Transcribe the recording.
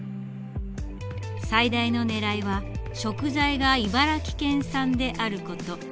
最大のねらいは食材が茨城県産であること。